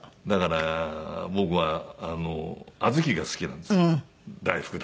だから僕は小豆が好きなんですよ。